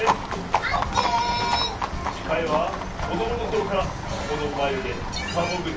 オッケー！しかいはこどものころからこのまゆげサボぐちひろしです。